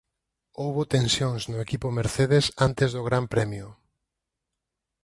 Houbo tensións no equipo Mercedes antes do Gran Premio.